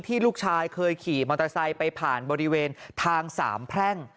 ลูกชายเคยขี่มอเตอร์ไซค์ไปผ่านบริเวณทางสามแพร่ง